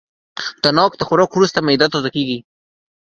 د ناک د خوراک وروسته معده تازه کېږي.